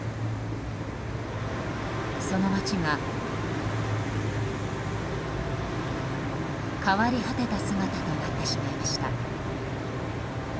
その街が変わり果てた姿となってしまいました。